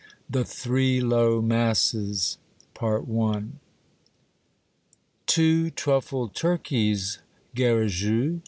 THE THREE LOW MASSES. I. " Two truffled turkeys, Garrigou